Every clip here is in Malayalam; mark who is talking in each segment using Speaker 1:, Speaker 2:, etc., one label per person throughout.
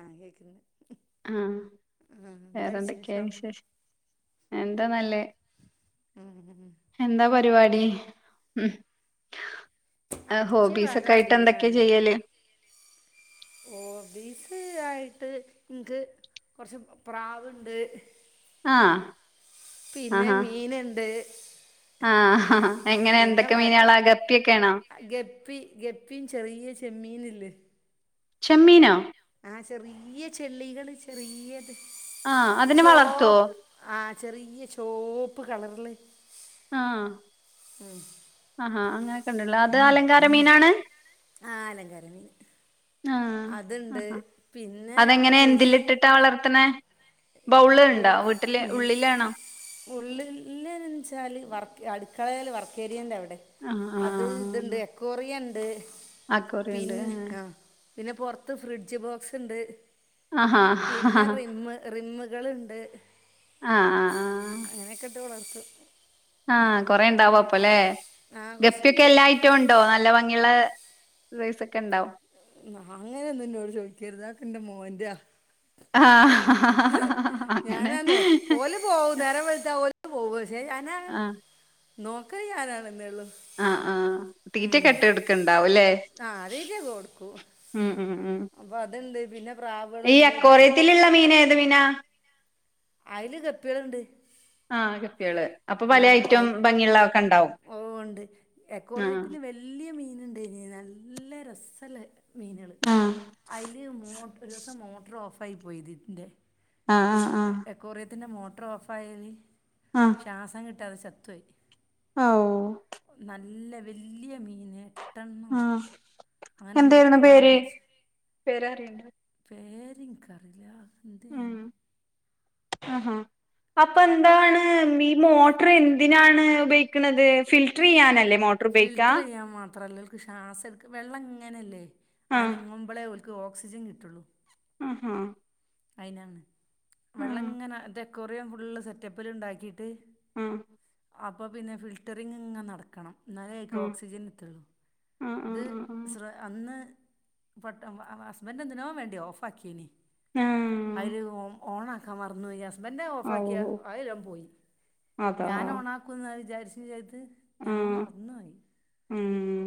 Speaker 1: ആ കേൾക്കുന്നില്ലേ
Speaker 2: ആഹ വേറെന്തൊക്കെയ വിശേഷം എന്താ നല്ലേത്എന്താ പണി പരിപാടി ഉ
Speaker 1: അടിച്ച വരാ ഒരുങ്ങാണ് പിന്നെ
Speaker 2: ചെയ്യല്
Speaker 1: എന്തൊക്കെഓബി ഫ്രി ആയിട്ട് എനിക്ക് കുറച്ച് പ്രാവ് ഉണ്ട്
Speaker 2: ആ
Speaker 1: പിന്നെ മീൻ ഉണ്ട്
Speaker 2: ആഹ് എങ്ങനെ എന്തൊക്കെ മീൻ ഓൾ അകപ്പിയൊക്കെ ആണോ
Speaker 1: ഗപ്പി ഗപ്പീൻ ചെറിയ ചെമ്മീൻ ഇണ്ട്
Speaker 2: ചെമ്മീനെ
Speaker 1: ആ ചെറിയ ചെള്ളികള് ചെറിയ
Speaker 2: ആഹ് അതിനെ വളർത്തുവോ
Speaker 1: ചോപ്പ് ആ ചെറിയ ചോപ്പ് കളറില്
Speaker 2: ആഹ ആഹാ അങ്ങനൊക്കെ ഉണ്ടുള്ളോ അത് അലങ്കാര മീനാണ്
Speaker 1: ആ അലങ്കാരമീൻ
Speaker 2: ആ ആ
Speaker 1: പിന്നെ
Speaker 2: അതെങ്ങനെ എന്തില്
Speaker 1: കൃഷി
Speaker 2: ഇട്ടിട്ടാ വളർത്തണേ ബൗള് ഇണ്ടോ വീട്ടില് ഉള്ളിലാണോ
Speaker 1: ഉള്ളിൽ വെച്ചാൽ വർക്ക് അടുക്കളൽ വർക്ക് ഏരിയൻ്റെ അവി
Speaker 2: ആഹ് ആഹ്
Speaker 1: അത് ഇത്ണ്ട്
Speaker 2: ആഹ്
Speaker 1: എക്കോറിയ ഉണ്ട്
Speaker 2: അക്വേറിയം ഉണ്ട്
Speaker 1: പിന്നെ ആ പിന്നെ പുറത്ത് ഫ്രിഡ്ജ് ബോക്സ് ഉണ്ട്
Speaker 2: ആഹ് ആഹാ
Speaker 1: പിന്നെ റിമ്മ് റിമ്മ് കളുണ്ട്
Speaker 2: ആ ആഹ് ആ
Speaker 1: [unintelligible]
Speaker 2: ആ കൊറേ ഉണ്ടാവു അപ്പല്ലേ
Speaker 1: ആ കുറച്ചുണ്ട്
Speaker 2: ഗപ്പിയൊക്കെ എല്ലാ ഐറ്റവും ഉണ്ടോ നല്ല ഭംഗിയുള്ള ഒരുസ ഒക്കെ ഉണ്ടാവും
Speaker 1: ന അങ്ങനെ ഒന്നും ഇന്നോട് ചോദിക്കരുത് അതൊക്ക് എന്റെ മോൻ്റ
Speaker 2: ആ
Speaker 1: ഞാനാന്നോ ഓല് പോക നേര വളുത്താ ഓല പോക പക്ഷേ ഞാനാ
Speaker 2: ആഹ്
Speaker 1: നോക്കറി ഞാനാണെന്നേ ഉള്ളൂ
Speaker 2: ആ ആ
Speaker 1: ഉം.
Speaker 2: തീറ്റക്കെട്ട് എടുക്കണ്ടാവും അല്ലേ
Speaker 1: ആ രീജ കൊടുക്കൂ
Speaker 2: ഉം ഉം
Speaker 1: അപ്പൊ അതെന്ത് പിന്നെ
Speaker 2: ഈ
Speaker 1: പ്രാവുകളുണ്ട് പത്ത്
Speaker 2: അക്കോറത്തിലുള്ള മീൻ ഏത് മീനാ
Speaker 1: അയില് കപ്പികളുണ്ട്
Speaker 2: ആ ഗ
Speaker 1: ഉം അയിൽ
Speaker 2: ഇണ്ടാവും
Speaker 1: ഓ ഉണ്ട്
Speaker 2: ആഹ്
Speaker 1: അക്കോറിയത്തില് വല്യ മീന് ണ്ടീനി നല്ല രസല്ല മീനുകൾ
Speaker 2: ആഹ്
Speaker 1: അതില് മോ ഒരു ദിവസം മോട്ടർ ഓഫായി പോയി ഇതിൻ്റെ
Speaker 2: ആഹ് ആഹ് ആ
Speaker 1: ത്തിൻ്റെ മോട്ടർ ഓഫ്യൽ ശ്വാസം കിട്ടാതെ ചത്തുപയി
Speaker 2: ഔ
Speaker 1: നല്ല വലിയ മീന്
Speaker 2: ഉം എന്തായിരുന്നു
Speaker 1: അങ്ങനെ
Speaker 2: പേര് പേറിയണ്ട
Speaker 1: പേര് ഇൻക്കറീല
Speaker 2: ഉം ആഹാ അപ്പൊ എന്താണ് ഈ മോട്ടർ എന്തിനാണ് ഉപയോഗിക്കുന്നത് ഫിൽട്ടർ ചെയ്യാനല്ലേ മോട്ടർ ബേക്കാ
Speaker 1: ക്ക് ശ്വാസം എടുക്ക വെള്ളം ഇങ്ങനെയല്ലേ
Speaker 2: ആഹ്
Speaker 1: അനങ്ങുമ്പളേ ഓക്ക് ഓക്സിജൻ കിട്ടുള്ളൂ
Speaker 2: ഉം ഉം
Speaker 1: അയിനാണ് വെള്ളം ഇങ്ങനെ ഡെക്കോറിയൻ ഫുള്ള് സെറ്റപ്പിൽ ഉണ്ടാക്കിട്ട്
Speaker 2: ആ
Speaker 1: അപ്പോൾ പിന്നെ ഫിൽട്ടറിങ്ങ് നടക്കണം നലായിക്ക് ഓക്സിജൻ എത്തുള്ളൂ
Speaker 2: ആഹ് ആഹ്
Speaker 1: ഇത്
Speaker 2: ആഹ്
Speaker 1: ശ്ര അന്ന് പട്ട ഹസ്ബൻഡ് എന്തിനോ വേണ്ടി ഓഫ് ആക്കിന്
Speaker 2: ആഹ്
Speaker 1: അതില് ഓ ഓണ ആക്കാ മറന്നുപോയി ഹ ബൻ്റെ
Speaker 2: ആഹ്
Speaker 1: ഓഫാക്കിയ
Speaker 2: ഓഹ്
Speaker 1: അല്ല എല്ലാം പോയി
Speaker 2: അതാ
Speaker 1: ഞാൻ ഓണക്കും എന്ന് വിചാരിച്ച വിചാ ത് ഞാൻ
Speaker 2: ആഹ്
Speaker 1: മറന്ന് പോയി
Speaker 2: ഉം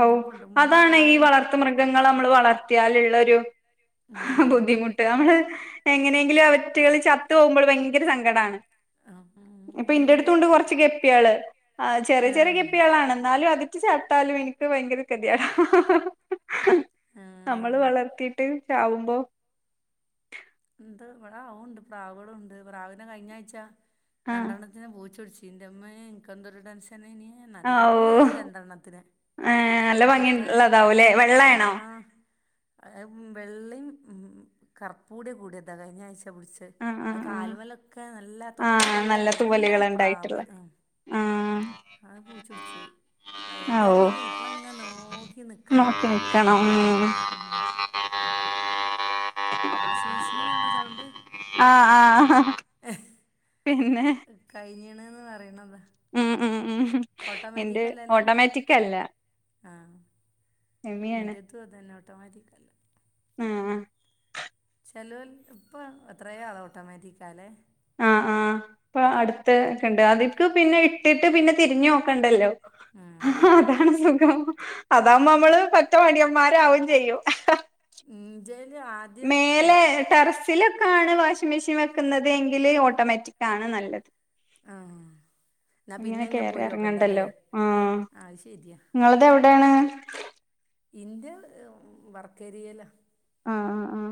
Speaker 2: ഓ
Speaker 1: ഉണ്ട്
Speaker 2: അതാണ് ഈ
Speaker 1: മോയോ
Speaker 2: വളർത്ത് മൃഗങ്ങൾ നമ്മൾ വളർത്തിയാൽ ള്ളൊരു ബുദ്ധിമുട്ട് നമ്മള് എങ്ങനെയെങ്കിലും അവറ്റുകളിൽ ചത്തു പോകുമ്പോൾ ഭയങ്കര സങ്കടമാണ് ഇപ്പൊ ഇന്റെ
Speaker 1: ഒഴിവ്
Speaker 2: അടുത്തുണ്ട് കുറച്ച് ഗപ്പികൾ ആ ചെറിയ
Speaker 1: ഏ
Speaker 2: ചെറിയ
Speaker 1: ഏ
Speaker 2: ഗപ്പികളാണ് എന്നാലും അത് ചത്താലും എനിക്ക് ഭയങ്കര ഗതികേടാ
Speaker 1: ആ
Speaker 2: നമ്മള് വളർത്തിട്ട് ചാവുമ്പോ
Speaker 1: ഉണ്ട് ഇവിടെ ആണ്ട് പ്രാവുകളും ഉണ്ട് പ്രാവിനെ കഴിഞ്ഞ ആഴ്ച്ച
Speaker 2: ആ
Speaker 1: രണ്ടെണ്ണത്തിന് പൂച്ചൊടിച്ചു ന്റെമ്മ ഇനിക്കെന്തരു ടെൻഷൻ ആയിരുന്നു
Speaker 2: ഓ
Speaker 1: നല്ല രണ്ടെണ്ണത്തിന്
Speaker 2: ഏ നല്ല
Speaker 1: കുട്ട
Speaker 2: ഭംഗിയുള്ളതാവൂലേ വെള്ളയാണോ
Speaker 1: ആഹ് വെള്ളം കർപ്പൂടിയ കൂടിയതാണ് കഴിഞ്ഞ ആഴ്ച ചച്ച പിടിച്ച
Speaker 2: ആഹ്
Speaker 1: അത
Speaker 2: ആഹ് ആഹ്
Speaker 1: കാല്മലൊക്കെ നല്ല
Speaker 2: ആ
Speaker 1: തൊപ്പൊക്കെല്ലേ നല്ല
Speaker 2: തൂവലുകൾ ഉണ്ടായിട്ടുള്ള
Speaker 1: പ്രാവ്
Speaker 2: ആ
Speaker 1: അത് പൂച്ചൊടിച്ചുപയി അ
Speaker 2: ഓ
Speaker 1: ഇതേപോലെ ഇീട്ടളങ്ങ നോക്കി നിക്കണം
Speaker 2: നോക്കി നിക്കണം ഉം
Speaker 1: വാഷിംഗ് മെഷീനാണോ സൗണ്ട്
Speaker 2: ആ ആ പിന്നെ
Speaker 1: കഴഞ്ഞണന്ന് പറയണതാ
Speaker 2: ഉ എന്റെ
Speaker 1: ഓട്ടോമാറ്റിക് അല്ലല്ലോ
Speaker 2: ഓട്ടോമാറ്റിക്കല്ല
Speaker 1: ഇന്ത്യത്തും അതനെ ഓട്ടോമാറ്റിക്കല്ല
Speaker 2: ആ
Speaker 1: ചെലവൽ ഇപ്പോൾ എത്രയ ആള ഓട്ടോമാറ്റിക്കല്ലേ
Speaker 2: ആഹ ആഹ് അപ്പ അടുത്തണ്ട് അതിക്ക് പിന്നെ ഇട്ടിട്ട് പിന്നെ തിരിഞ്ഞു നോക്കണ്ടല്ലോ ആ അതാണ് സുഖം അതാവകുമ്പോ നമ്മള് പറ്റ മടിയന്മാരാവും ചെയ്യും
Speaker 1: ഉം ജയ
Speaker 2: മേലെ ടെറസില് ലാണ് വാഷിംഗ മെഷീൻ വെക്കുന്നത് എങ്കില് ഓട്ടോമാറ്റിക് ആണ് നല്ലത്
Speaker 1: ആ എന്നാൽ പിന്നെ
Speaker 2: ഇങ്ങനെ കേയറി
Speaker 1: പോയി നോക്കണ്ടല്ലേ
Speaker 2: ഇറങ്ങണ്ടല്ലോ ആ
Speaker 1: ആ അത് ശരിയാ
Speaker 2: നിങ്ങളതവി എവിടെയാണ്
Speaker 1: ഇന്റെ വർക്കേരിയല്ലാ
Speaker 2: ആ ആഹ്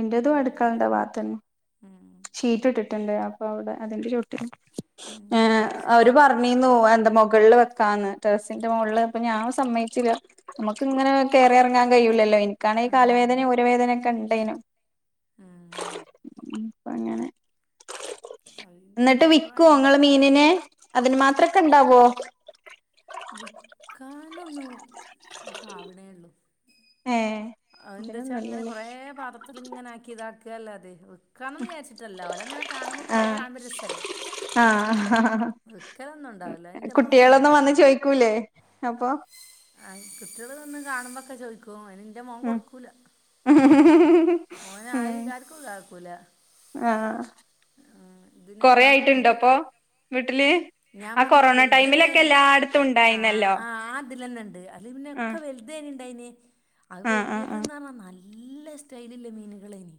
Speaker 2: എന്റേതും അടുക്കളന്റെ ഭാത്തന്നെ ഷീറ്റ് ഇട്ടിട്ടുണ്ട് അപ്പൊ അവിടെ അതിന്റെ ചുട്ടില ഏ
Speaker 1: എൻ്റെ
Speaker 2: അവര്
Speaker 1: ഷീറ്റിട്ട്
Speaker 2: പറഞ്ഞീന്നു എന്റെ മുകളില് വെ ക്കാന്ന് ടാറസിന്റെ മുകളിൽ ഇപ്പൊ ഞാൻ സമ്മയിച്ചില്ല നമമ്മക്ക് ഇങ്ങന ക കേറി ഇറങ്ങാൻ കഴില്ലല്ലോ ക്കണെങ്കിൽ കാലുവേദനയും ഊരവേദനയക്കെ ഉണ്ടേനും
Speaker 1: ആഹ
Speaker 2: അങ്ങനെ
Speaker 1: അത്
Speaker 2: എന്നിട്ട്
Speaker 1: ഇൻ്റെ
Speaker 2: വിക്കും
Speaker 1: തന്നെ
Speaker 2: നിങ്ങള് മീനിനെ അതിന് മാത്ര അത്രക്കെ ഉണ്ടാവോ
Speaker 1: നോന്നുക്കവിടേ ഉള്ളു
Speaker 2: ഏഹ്
Speaker 1: എന്താ വെച്ചാ അങ്ങനെ
Speaker 2: ഇതിനൊന്നുല്ലല്ലേ
Speaker 1: കൊറെ പാത്രത്തി ഇങ്ങനെ ആക്കി ഇതാക്കുകല്ല അതെ നക്കണംമന്ന് വിചാരിട്ടല്ലോ അവലങ്ങനെ കാണുമ്പോൾ കൊറെ കാണുമ്പോ രസല്ലേ
Speaker 2: ആഹ
Speaker 1: വിക്കലൊന്നും ഉണ്ടാവില്ല
Speaker 2: ഹ്ഹ്ഹ്
Speaker 1: എന്റെ മോൻ
Speaker 2: കുട്ടികളൊന്നും വന്ന്
Speaker 1: സമ്മതിക്കൂല
Speaker 2: ചോയ്ക്കൂലേ അപ്പൊ
Speaker 1: ആ കുട്ടികള് ഒന്നന്ന് കാണുമ്പോക്കെ ചോയ്ക്കോ അനിന്റെ മോൻ
Speaker 2: ഉം
Speaker 1: കൊടുക്കൂല ഓന് ആര്
Speaker 2: ഉം
Speaker 1: ആർക്കും ഇതാക്കൂല
Speaker 2: ആഹ
Speaker 1: ഉം, ഇതിന്
Speaker 2: കൊറെ
Speaker 1: ഉം,
Speaker 2: ആയിട്ടുണ്ടോ
Speaker 1: ഇത്
Speaker 2: അപ്പൊ വി ആ കൊറോണ ടൈമിലൊക്കെ എല്ലാത്തും
Speaker 1: ആആ ആ അതില തന്നെ ഉണ്ട് അതി പിന്നെ ഒക്കെ
Speaker 2: ആഹ്
Speaker 1: വലുത തനെ ഇണ്ടായിന് അത്
Speaker 2: ആഹ് ആഹ്
Speaker 1: വല്യത്ന്ന് പറഞ്ഞാ നല്ല സ്റ്റൈല ഇല്ല മീനുകള ഇനി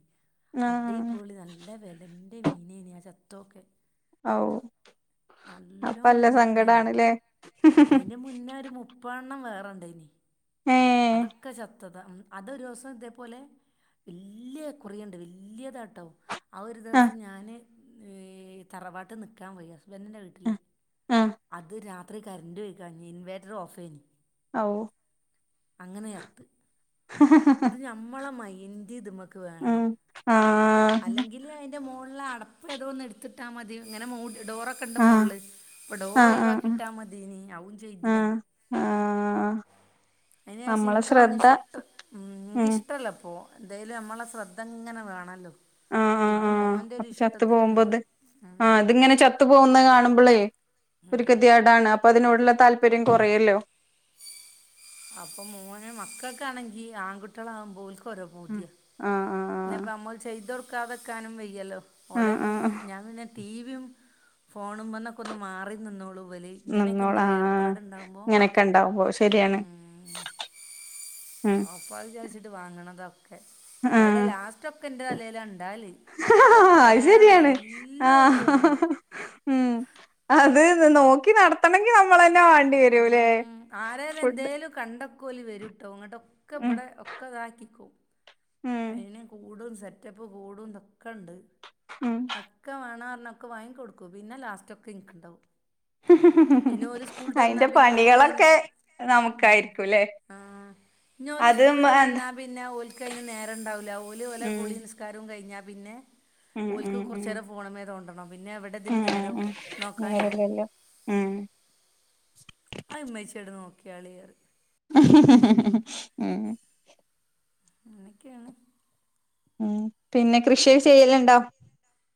Speaker 2: ആഹ്
Speaker 1: അടി
Speaker 2: ആഹ്
Speaker 1: പോളി നല്ല വലന്റെ മീനേനു ആ ചത്തൊക്കെ
Speaker 2: അഹു
Speaker 1: നല്ല മീനുകളുണ്ടയിന് അതിന്റെ മുന്നേ ഒരു മുപ്പ ണ്ണം വേറെ ഇണ്ടായിന്നു
Speaker 2: ഏഹ്
Speaker 1: അധോക്കെ ചത്തു അതൊരു ദിവസം ഇതേപോലെ വല്ല്യയ അക്കോറിയാം ഉണ്ട് വല്യ താട്ടോ ആ ഒരു
Speaker 2: ആഹ്
Speaker 1: ദിവസം ഞാൻഹെ തറവാട്ട് നിൽക്കാൻ പോയി ഹസ്ബൻഡിൻ്റെ വീട്ടിൽ
Speaker 2: ആഹ് ആഹ്
Speaker 1: അത് രാത്രി കററ് പോയി കായിന് ഇൻവേർട്ടർ ഓഫ് യനി
Speaker 2: ഔ
Speaker 1: അങ്ങനെയത്ത് ഇത് ഞമ്മളെ മൈന്റ് ഇത് മക് ക് വേണം
Speaker 2: ഉം ആഹ്
Speaker 1: അല്ലെങ്കിൽ അയിന്റെ മോളിലെ അ അപ്പഏതോന്ന് എടുത്തിട്ടാൽ മതിങ്ങനെ മോ ഡോറ ഒക്കെ ഉണ്ട്
Speaker 2: ആഹ്
Speaker 1: മോളില് അപ്പൊ ഡോർ
Speaker 2: ആഹ്
Speaker 1: ഒഴിവാക്കി
Speaker 2: ആഹ്
Speaker 1: ഇട്ടാ മതിനി അവും ചെയ്തില്ല
Speaker 2: ആഹ നമ്മളെ ശ്രദ്ധ ഉം
Speaker 1: എനിക്കിഷ്ടല്ല ഇപ്പോ എന്തായലും നമ്മളെ ശ്രദ്ധ ഇങ്ങനെ വേണല്ലോ?
Speaker 2: ആഹ് ആഹ്
Speaker 1: ഇത്
Speaker 2: ആഹ്
Speaker 1: മോൻന്റെ ഒരു
Speaker 2: അപ്പൊ ചത്തു
Speaker 1: ഇഷ്ടത്തിന് മോൻ
Speaker 2: പോണെത് കാണുമ്പോളേ ഒരു കെ തീയേടാണ്. അപ്പൊ അപ്പൊ അതിനോടുള്ള താല്പര്യം കുറയല്ലോ?
Speaker 1: അപ്പൊ മോന് മക്ക്കൊണെങ്കി ആൺകുട്ടികള ആകുമ്പോൽഓൽക് ഒരോ പൂതിയ.
Speaker 2: ആഹ് ആഹ്
Speaker 1: പിന്നെപ്പ നമ്മൾ ചെയ്തൊടുക്കാതെക്കാനും വയ്യല്ലോ ഓലെ
Speaker 2: ആഹ് ആഹ് ആഹ്
Speaker 1: ഞാൻ പിന്നെ ടീവിയും ഫോണു മൊന്നൊക്കെ മാറി നിന്നോളൂ ഇബൽ ഇങ്ങനെയൊക്കെ എന്താ
Speaker 2: നിന്നോളാ ആഹ്
Speaker 1: ഏർപ്പാടുണ്ടകുമ്പോ
Speaker 2: ഇങ്ങനെയൊക്കെ ഉണ്ടാവുമ്പോ ശരിയാണ്
Speaker 1: ഉ
Speaker 2: ഉം
Speaker 1: അപ്പാ അവിചാരിച്ചിട്ട് വാങ്ങണതൊക്കെ എടെ
Speaker 2: ആഹ്
Speaker 1: ലാസ്റ്റ് ഒക്കെ എൻന്റെ തലയിലാണ്. ഉണ്ടാകല് ഒക്കെ
Speaker 2: [unintelligible]
Speaker 1: ഓൽക്ക്
Speaker 2: അത്
Speaker 1: വേണം
Speaker 2: ശരിയാണ് ആ
Speaker 1: എല്ലാം ഓൽക്ക്
Speaker 2: ആ
Speaker 1: വേണം
Speaker 2: ആ ഉ അത് നോക്കി നടത്തണങ്കി നമ്മളെന്നെ വാണ്ടി വരൂല്ലേ ഫുഡ്
Speaker 1: ക്കെ ഓല് വരുട്ടാ ഇങ്ങണ്ട് ഒക്കെ
Speaker 2: ഉം
Speaker 1: ഇബടെ ഒക്കെ താകിക്കും
Speaker 2: ഉം
Speaker 1: സാറ്റപ്പ് ക്കൂടും തൊക്കെണ്ട്
Speaker 2: ഉം
Speaker 1: ഒക്കെ വാണാ ഒക്കെ വാങ്ങി കൊടുക്കും പിന്നെ ലാസ്റ്റ് ഒക്കെ ഇൻ കിണ്ടാവും.
Speaker 2: ഹി ഹി ഹി ഹി അതിന്റെ
Speaker 1: പിന്നെ ഓൽക്ക് അയിന്
Speaker 2: പണികളൊക്കെ നമുക്കായിരിക്കുംല്ലേ? [inaudible]
Speaker 1: ഞ്ഓല്
Speaker 2: അത് മ
Speaker 1: സ്കൂളിട്ട്
Speaker 2: എന്താ
Speaker 1: വന്നാ പിന്നെഓല്കഴിന് നേര വല ഉണ്ടാവില്ല ഓല്ഓലെ
Speaker 2: ഉം
Speaker 1: കുളി നിസ്കാരവും കഴിഞ്ഞാൽ പിന്നെ
Speaker 2: ഉം
Speaker 1: ഓൽക്ക്
Speaker 2: ഉം ഉം
Speaker 1: കുറച്ചേരം ഫോൺമേ തൊണ്ടണം.
Speaker 2: ഉം ഉ ഉ അങ്ങല്ലല്ലോ ഉം
Speaker 1: ആഹ് ഇമ്മച്ചിയാണ്നോക്കിയാളി പറ
Speaker 2: ഹ് ഹ് ഹ് ഹി ഹി
Speaker 1: അങ്ങനൊക്കെയാണ്.
Speaker 2: ഉം പിന്നെ കൃഷി ചെയ്യലുണ്ടോ?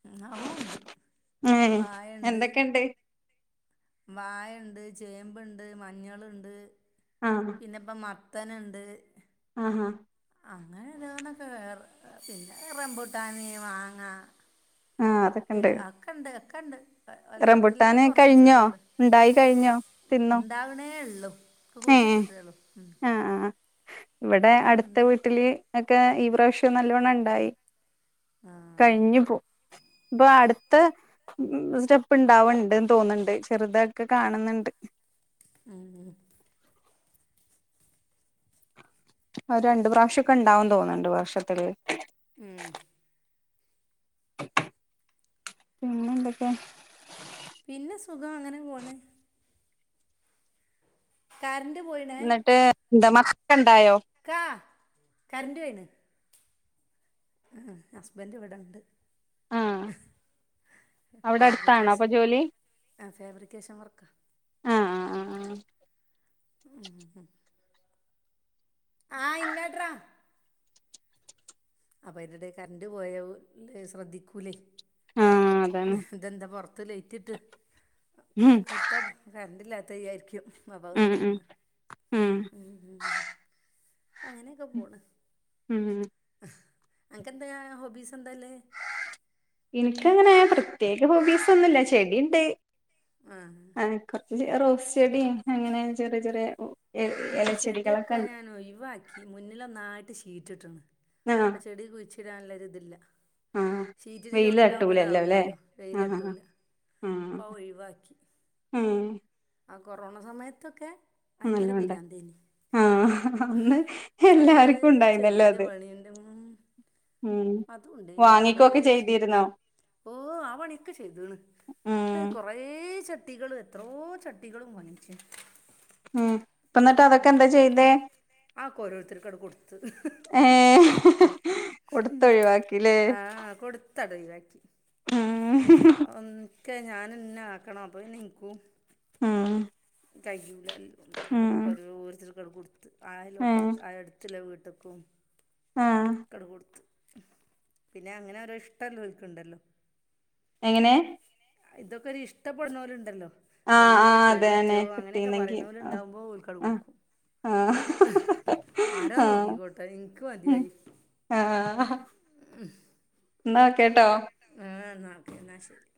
Speaker 1: ഉ അഉണ്ട്
Speaker 2: ഏഹ്
Speaker 1: വായണ്ട്.
Speaker 2: എന്തൊക്കെയുണ്ട്
Speaker 1: വായണ്ട്. ചേമ്പുണ്ട് മഞ്ഞളുണ്ട് പിന്നെ ഇപ്പം മത്തനുണ്ട്.
Speaker 2: ആഹ-
Speaker 1: അങ്ങനെ ഓരോന്നക്കെ പിന്നെ റംമ്പുട്ടാന് മാങ്ങ.
Speaker 2: ആഹ് അതൊക്കെ ഉണ്ട്
Speaker 1: [unintelligible] ഒക്കെണ്ട് ഒക്കെണ്ട്. അല്ലറ ചില്ലറ
Speaker 2: റംബുട്ടാന് കഴിഞ്ഞോ
Speaker 1: കുറച്ചിച്ചൊക്കെണ്ട്
Speaker 2: ഉണ്ടായി കഴിഞ്ഞോ
Speaker 1: ഉണ്ടാവണേ ഉള്ളൂ ഇപ്പ-കുഴി
Speaker 2: ഹെ ആ ആ അ ഇവിടെ
Speaker 1: ഒക്കെ
Speaker 2: അടു ത്തെ
Speaker 1: ഉണ്ട്
Speaker 2: വീട്ടില് ഒക്കെ ഈ പ്രാവശ്യം നല്ലവണ്ണം ഇണ്ടായി
Speaker 1: ആ
Speaker 2: കഴിഞ്ഞു പോ പ്പൊ അടുത്ത സ്റ്റെ ഇപ്പ ണ്ടാവ്ണ്ട്ന്ന് തോന്ന്ണ്ട് ചെറുതൊക്കെ കാണ്ന്ന്ണ്ട്.
Speaker 1: ഉം
Speaker 2: അഅ് രണ്ട് പ്രാവശ്യൊക്കെ ണ്ടാവുംന്ന് തോന്ന്ണ്ട് വർഷത്തില്.
Speaker 1: ഉം
Speaker 2: പിന്നെ ന്തെക്കെ
Speaker 1: പിന്നെ സുഖം അങ്ങനെ പോണ് കര്
Speaker 2: എന്നിട്ട് എന്താ [unintelligible] ണ്ടായോ
Speaker 1: കറന്റ് പോയിണ്. ഹാ ഹസ്ബൻഡ് ഇവിടെണ്ട്
Speaker 2: ആഹ് അവിടെ അടുത്താണോ അപ്പൊ
Speaker 1: ഫേബ്രിക്കേഷൻ
Speaker 2: ജോലി
Speaker 1: ആ ഫാബ്രിക്കേഷൻ വർക്ക
Speaker 2: ആഹ്
Speaker 1: ഉം ഹും ആ ഇൻവേ ട്രാ അപ്പൊ അയ്ൻ്റെടെ കറന്റ് പോയോശ്രദ്ധിക്കൂ ലെയ്
Speaker 2: അതാണ്
Speaker 1: ഇതെന്താ പൊർ ത്ത് ലെയ്റ്റ്ട്ട്
Speaker 2: ഉം
Speaker 1: ബെക്ക് തെ കര്ണ്ടില്ലാത്തെ ചാരിക്കും
Speaker 2: ഉം ഉം
Speaker 1: [unintelligible] ഉം ഉം അങ്ങനെക്കെ പോണ്.
Speaker 2: ഉം
Speaker 1: അൻക്കെന്താ ഹോബീസ് എന്താല്ലേ
Speaker 2: ഇൻക്കങ്ങനെ പ്രത്യേക ഹോബീസൊന്നുല്ല ചെടിണ്ട് ആ കൊറ്ച്ച് റോസ് ചെടിം അങ്ങനെ ചെറ്യെ ചെറ്യെ
Speaker 1: ഇൻക്ക് ചെട്യൊക്കെ ഞാനൊഴിവാക്കി മുന്നിലൊന്നായിട്ട് ഷീറ്റ് ട്ട്ണ്
Speaker 2: ആഹ്
Speaker 1: അപ്പൊ ചെടി കുയിച്ചിടാനുള്ളൊരിതില്ല
Speaker 2: ആഹ്
Speaker 1: ഷീറ്റിൻ്റെ
Speaker 2: വെയില്
Speaker 1: ചോട്ടിലാകുമ്പ
Speaker 2: തട്ടൂലല്ലോ അല്ലേ
Speaker 1: താവൂലല്ലോ
Speaker 2: ആഹ് ആഹ്
Speaker 1: വെയിലെട്ടൂല്ല പ്പൊ ഒഴിവാക്കി
Speaker 2: ഉം
Speaker 1: ആ കൊറോണ സമയത്തൊക്കെ ഭയങ്കര പിരാന്തേനി
Speaker 2: ആ അന്ന്
Speaker 1: ഇത്രേ
Speaker 2: എല്ലാർക്കുംണ്ടായിന്നല്ലോ
Speaker 1: ചെടീൻ്റെ
Speaker 2: ത്
Speaker 1: പണിയുണ്ട്
Speaker 2: ഉം ഉം
Speaker 1: അതും ഉണ്ടേനി
Speaker 2: വാങ്ങിക്കൊക്കെ
Speaker 1: കുറേ
Speaker 2: ചെയ്തിരുന്നോ
Speaker 1: ഓ ആ പണ്യൊക്കെ ചെയ്ത്ണ്
Speaker 2: ഉം
Speaker 1: കൊറേ ച ട്ടികളും എത്രോ ചട്ടികളും വാങ്ങിച്ചു
Speaker 2: ഉം ഇപ്പ ന്നട്ട് അതൊക്കെ എന്താ ചെയ്തേ
Speaker 1: ആ ഒക്കോരോര്ത്തര്ക്കണ്ട് കൊട്ത്ത്
Speaker 2: ഏ കൊട്ത്തൊഴിവാക്കില്ലേ
Speaker 1: ക്കണ്ടൊഴിവാക്കി ആ ഒക്കെ ഞാന്നെന്നാക്കണം അപ്പൊ പിന്നെ ഇൻക്കും
Speaker 2: ആ
Speaker 1: കയ്യൂല്ല അപ്പക്കൊരോര്‌ത്തര്ക്കട് കൊടുത്ത് ആ
Speaker 2: ഏ
Speaker 1: ലൊക്ക ആ എട്ത്ത്ള്ള വീട്ട് തക്കും
Speaker 2: ആഹ്
Speaker 1: ക്കണ്ട്കൊടുത്ത പിന്നെ അങ്ങനൊരോ ഇഷ്ട്ടല്ലോല്ക്ക്ണ്ടല്ലോ
Speaker 2: എങ്ങനെ
Speaker 1: ഇതൊക്കൊരു ഇഷ്ടപ്പെട്ന്നോല്ണ്ടല്ലോ ഔ
Speaker 2: ആഹ് ആഹ്
Speaker 1: ചെടീ
Speaker 2: അതെന്നെ
Speaker 1: ട്ടോ അങ്ങനെക്കെ
Speaker 2: കിട്ടീന്നെങ്കി ആഹ്
Speaker 1: പറിണോല്ണ്ടാവുമ്പോ ഓൽക്കട്
Speaker 2: ആഹ്
Speaker 1: കൊടുക്കും ആരാ
Speaker 2: ആഹ് ആഹ്
Speaker 1: നോക്കിക്കോട്ടെ ഇൻക്ക്
Speaker 2: ഉം
Speaker 1: മത്യായി
Speaker 2: ആഹ്
Speaker 1: ഹും
Speaker 2: എന്നാ ഓക്കേട്ടോ
Speaker 1: ആ ഓക്കേ എന്നാ ശെരി